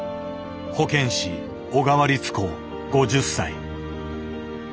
保健師小川理乙子５０歳。